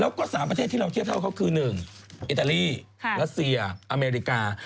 แล้วก็๓ประเทศที่เราเทียบเท่าเขาคือ๑อิตาลีรัสเซียอเมริกา